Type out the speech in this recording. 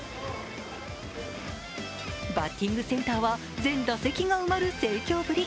バッティングセンターは全打席が埋まる盛況ぶり。